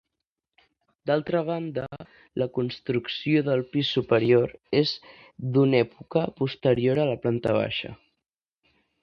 D'altra banda la construcció del pis superior és d'una època posterior a la planta baixa.